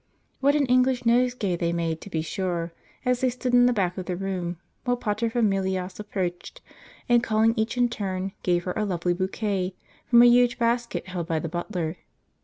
What an English nosegay they made, to be sure, as they stood in the back of the room while paterfamilias approached, and calling each in turn, gave her a lovely bouquet from a huge basket held by the butler.